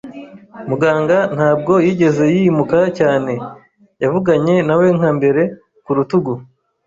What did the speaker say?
Muganga ntabwo yigeze yimuka cyane. Yavuganye na we nka mbere, ku rutugu